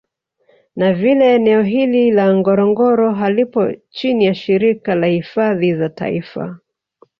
Na vile eneo hili la Ngorongoro halipo chini ya shirika la hifadhi za taifa